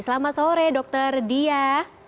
selamat sore dr diah